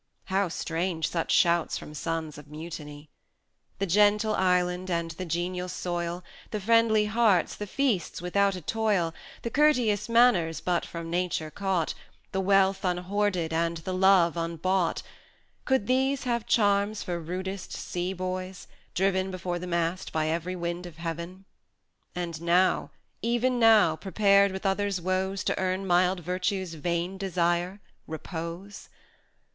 How strange such shouts from sons of Mutiny! The gentle island, and the genial soil, The friendly hearts, the feasts without a toil, The courteous manners but from nature caught, The wealth unhoarded, and the love unbought; 110 Could these have charms for rudest sea boys, driven Before the mast by every wind of heaven? And now, even now prepared with others' woes To earn mild Virtue's vain desire, repose?